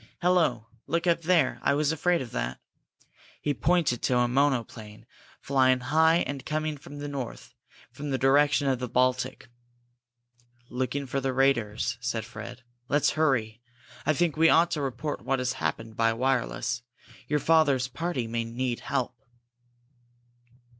"Hello look up there! I was afraid of that!" He pointed to a monoplane, flying high and coming from the north, from the direction of the Baltic. "Looking for the raiders," said Fred. "Let's hurry. I think we ought to report what has happened by wireless. Your father's party may need help."